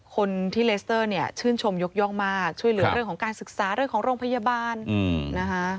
คนที่เลสเตอร์เนี่ยชื่นชมยกย่องมากช่วยเหลือเรื่องของการศึกษาเรื่องของโรงพยาบาลนะคะ